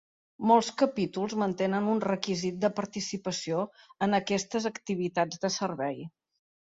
Molts capítols mantenen un requisit de participació en aquestes activitats de servei.